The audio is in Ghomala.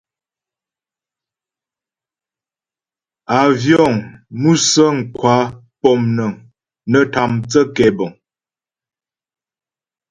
Àvyɔ̌ŋ (musə̀ŋ) kwa pɔ̌mnəŋ nə́ tâ mthə́ kɛbəŋ.